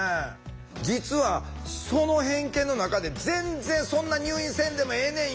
実はその偏見の中で全然そんな入院せんでもええねんよ。